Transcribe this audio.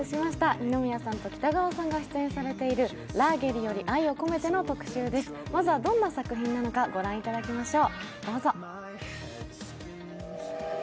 二宮さんと北川さんがご出演の「ラーゲリより愛を込めて」、まずはどんな作品なのかご覧いただきましょう。